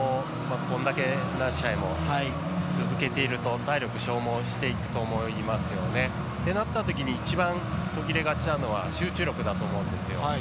これだけ何試合も続けていると体力消耗していくと思いますよね。ってなったときに一番途切れがちなのは集中力だと思うんですよ。